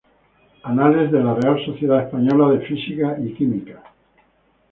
Anales de la Real Sociedad Española de Física y Química.